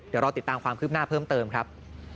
เดี๋ยวรอติดตามความคืบหน้าเพิ่มเติมครับ